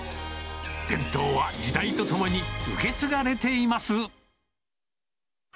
伝統は時代とともに受け継がれています。